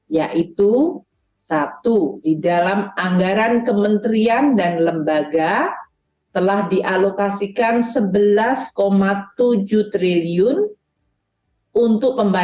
yaitu satu di dalam anggaran kementerian dan lembaga telah dialokasikan sebelas juta